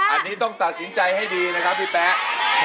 อันนี้ต้องตัดสินใจให้ดีนะครับพี่แป๊ะ